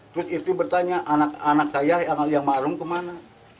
terus istri bertanya anak anak saya yang almarhum kemana